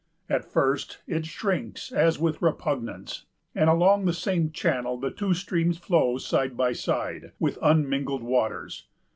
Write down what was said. At first, it shrinks as with repugnance; and along the same channel the two streams flow side by side, with unmingled waters.